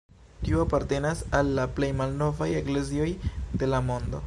Tiu apartenas al la plej malnovaj eklezioj de la mondo.